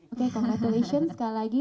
oke congratulations sekali lagi